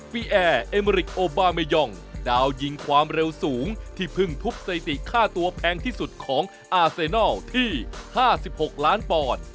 แอร์เอเมริกโอบาเมยองดาวยิงความเร็วสูงที่เพิ่งทุบสถิติค่าตัวแพงที่สุดของอาเซนัลที่๕๖ล้านปอนด์